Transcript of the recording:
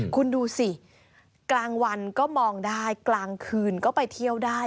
คุณดูสิกลางวันก็มองได้กลางคืนก็ไปเที่ยวได้